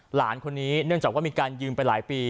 หลานคนนี้เนื่องจากว่ามีการยืมไปหลายปี